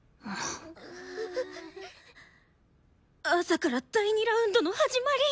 朝から第２ラウンドの始まり！？